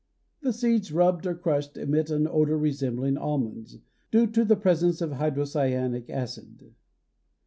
The seeds rubbed or crushed emit an odor resembling almonds, due to the presence of hydrocyanic acid.